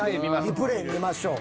リプレイ見ましょう。